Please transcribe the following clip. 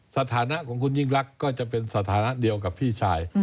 สถานะของคุณยิ่งรักก็จะเป็นสถานะเดียวกับพี่ชาย